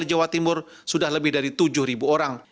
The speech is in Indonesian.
di jawa timur sudah lebih dari tujuh ribu orang